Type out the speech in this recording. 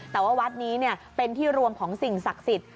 แต่ว่าวัดนี้เป็นที่รวมของสิ่งศักดิ์สิทธิ